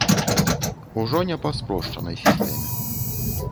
Ужо не па спрошчанай сістэме.